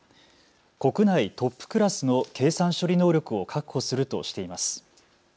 国内トップクラスの計算処理能力を確保するとしています。